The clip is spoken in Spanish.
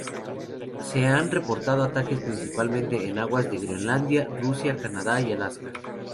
Se han reportado ataques principalmente en aguas de Groenlandia, Rusia, Canadá y Alaska.